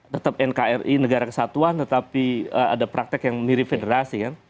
tetap nkri negara kesatuan tetapi ada praktek yang mirip federasi kan